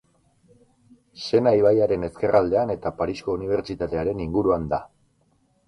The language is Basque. Sena ibaiaren Ezkerraldean eta Parisko Unibertsitatearen inguruan da.